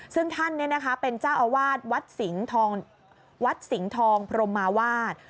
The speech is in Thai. ซึ่งท่านเป็นเจ้าอาวาสวัดสิงห์ทองพรมมาวาด